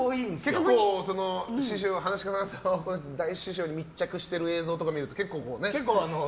結構、噺家さんとか大師匠に密着している映像とか見ても結構ね。